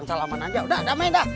salaman aja udah damai dah